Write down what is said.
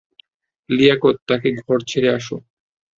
লিয়াকত, তাকে ঘরে ছেড়ে আসো।